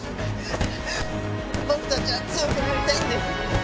僕たちは強くなりたいんです。